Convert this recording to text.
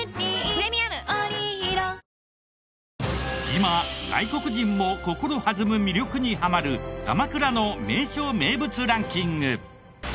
今外国人も心はずむ魅力にハマる鎌倉の名所・名物ランキング。